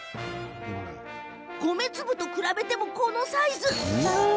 米粒と比べても、このサイズ。